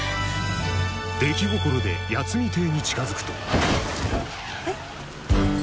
出来心で八海邸に近づくと・え？